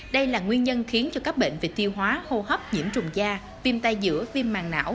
đây là nguyên nhân khiến cho các bệnh về tiêu hóa hô hấp nhiễm trùng da viêm tay giữa phim màng não